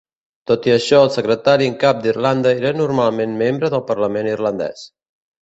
Tot i això, el secretari en cap d'Irlanda era normalment membre del parlament irlandès.